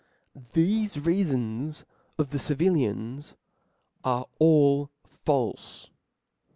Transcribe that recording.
Thefe reafons of the civilians are all falfe.